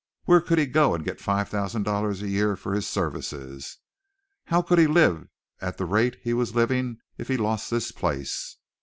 Where could he go and get five thousand dollars a year for his services? How could he live at the rate he was living if he lost this place?